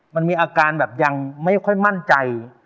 มันมีอาการแบบยังไม่ค่อยมั่นใจ